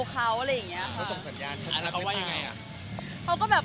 เขาว่ายังไง